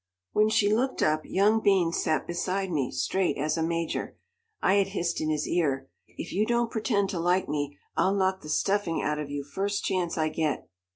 When she looked up, young Beans sat beside me, straight as a major. I had hissed in his ear, "If you don't pretend to like me, I'll knock the stuffing out of you, first chance I get."